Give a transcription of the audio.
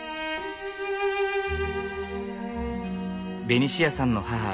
ベニシアさんの母